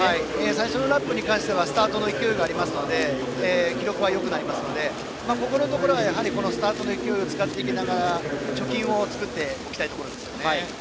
最初のラップに関してはスタートの勢いがあるので記録はよくなるのでここのところはスタートの勢いを使っていきながら貯金を作っていきたいですね。